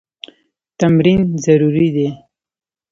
تمرین ضروري دی.